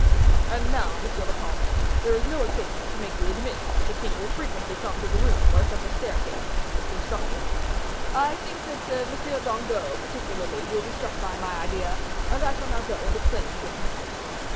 "And now, monsieur le comte, there is no occasion to make you admit that the king will frequently come to the room where such a staircase is constructed. I think that M. Dangeau, particularly, will be struck by my idea, and I shall now go and explain to him."